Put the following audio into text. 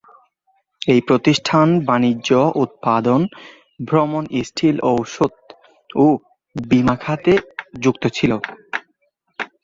এই প্রতিষ্ঠান বাণিজ্য, উৎপাদন, ভ্রমণ, স্টিল, ওষুধ এবং বিমা খাতে যুক্ত ছিল।